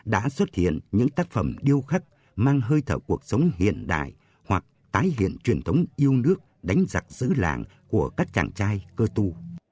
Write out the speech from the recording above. đã xuất hiện những tác phẩm điêu khắc mang hơi thở cuộc sống hiện đại hoặc tái hiện truyền thống yêu nước đánh giặc giữ làng của các chàng trai cơ tu